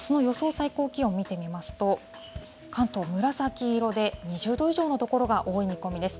最高気温見てみますと、関東、紫色で、２０度以上の所が多い見込みです。